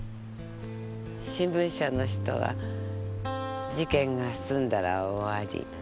新聞社の人は事件が済んだら終わり。